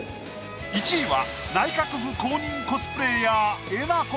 １位は内閣府公認コスプレイヤーえなこか？